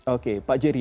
oke pak jerry